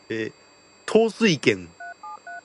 統帥権